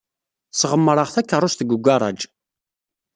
Sɣemreɣ takeṛṛust deg ugaṛaj.